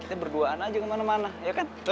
ya berduaan aja kemana mana ya kan